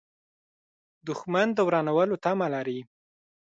دښمن د ورانولو تمه لري